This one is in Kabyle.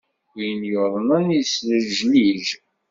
Win yuḍenen, yeslejlij.